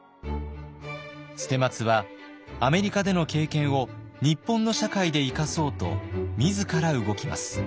捨松はアメリカでの経験を日本の社会で生かそうと自ら動きます。